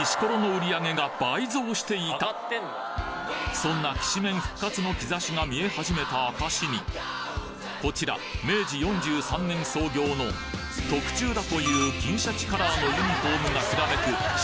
なんとそんなきしめん復活の兆しが見え始めた証しにこちら明治４３年創業の特注だという金鯱カラーのユニフォームがきらめくき